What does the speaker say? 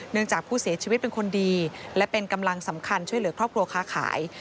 จากผู้เสียชีวิตเป็นคนดีและเป็นกำลังสำคัญช่วยเหลือครอบครัวค้าขาย